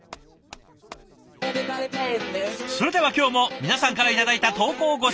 それでは今日も皆さんから頂いた投稿をご紹介します。